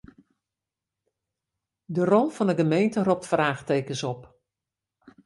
De rol fan 'e gemeente ropt fraachtekens op.